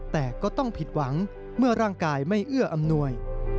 แต่ก็ต้องผิดหวังเมื่อร่างกายไม่เอื้ออำนวย